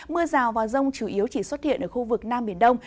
mưa rào và rông chủ yếu chỉ xuất hiện ở khu vực nam biển đông